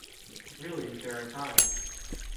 Really, there are times...